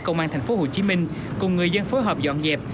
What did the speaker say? công an tp hcm cùng người dân phối hợp dọn dẹp